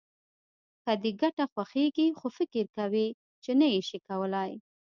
که دې ګټه خوښېږي خو فکر کوې چې نه يې شې کولای.